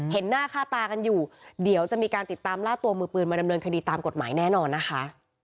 เห็นหน้าค่าตากันอยู่เดี๋ยวจะมีการติดตามล่าตัวมือปืนมาดำเนินคดีตามกฎหมายแน่นอนนะคะ